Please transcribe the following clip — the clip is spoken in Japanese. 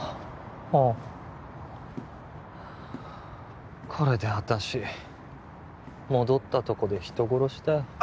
もうこれで私戻ったとこで人殺しだよ